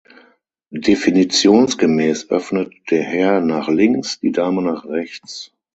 Definitionsgemäß öffnet der Herr nach links, die Dame nach rechts.